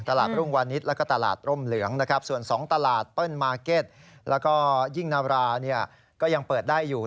ตลาดโรงวาลนิตรแล้วก็ตลาดร่มเหลืองส่วนสองตลาดปั้นมาร์เกทและยิ่งนุราก็ยังเปิดได้อยู่